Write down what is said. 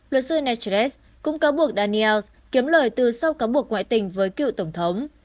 luật sư natress cũng cáo buộc daniels kiếm lời từ sau cáo buộc ngoại tình với cựu tổng thống